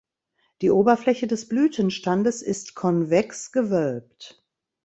Die Oberfläche des Blütenstandes ist konvex gewölbt.